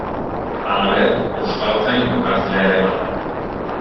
Halaber, Euskaltzain urgazlea ere ba da.